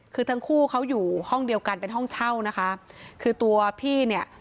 คือทั้งคู่เขาอยู่ห้องเดียวกันเป็นห้องเช่านะคะคือตัวพี่เนี่ย